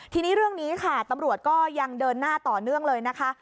ทีนี้เรื่องนี้ค่ะตำรวจก็ยังเดินหน้าต่อเนื่องเลยนะคะ